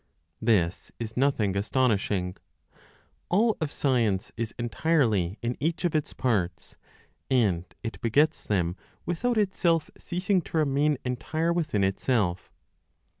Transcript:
This is nothing astonishing; all of science is entirely in each of its parts, and it begets them without itself ceasing to remain entire within itself.